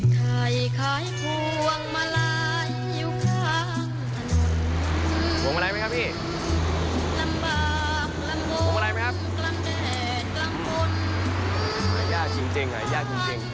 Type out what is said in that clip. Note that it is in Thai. ไกรเด็กหายคล้ายบู้งมาลัยอยู่ข้าง